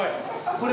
これ！